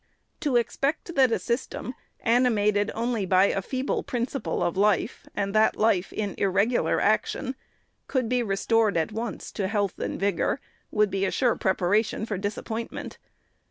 To expect that a system, animated only by a feeble principle of life, and that life in irregular action, could be restored at once to health and vigor, would be a SECOND ANNUAL REPORT. 495 sure preparation for disappointment.